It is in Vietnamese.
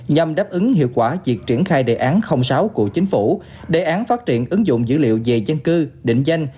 nhằm đáp ứng hiệu quả việc triển khai đề án sáu của chính phủ đề án phát triển ứng dụng dữ liệu về dân cư định danh